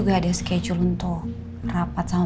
juga ada schedule untuk rapat sama